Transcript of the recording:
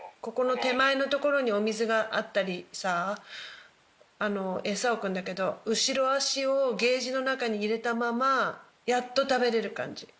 ここの手前のところにお水があったりさエサ置くんだけど後ろ足をケージの中に入れたままやっと食べれる感じ。